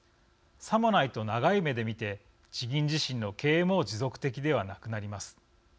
さもないと長い目で見て地銀自身の経営も持続的ではなくなります。